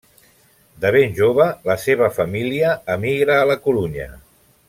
De ben jove, la seva família emigra a La Corunya.